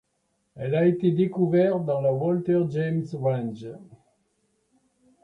Elle a été découverte dans la Walter James Range.